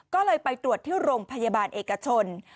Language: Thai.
ก็เลยไปตรวจที่โรงพยาบาลเอกชน